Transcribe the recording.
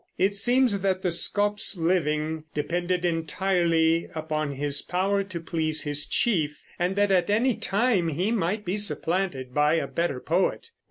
It seems that the scop's living depended entirely upon his power to please his chief, and that at any time he might be supplanted by a better poet.